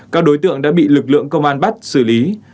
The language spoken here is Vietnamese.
các đối tượng đã bị lực lượng công an bắt xử lý